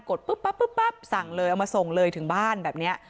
ดปุ๊บปั๊บสั่งเลยเอามาส่งเลยถึงบ้านแบบนี้